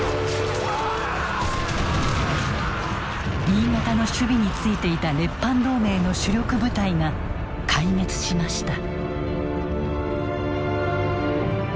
新潟の守備に就いていた列藩同盟の主力部隊が壊滅しました。